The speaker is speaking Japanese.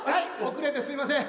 遅れてすいません。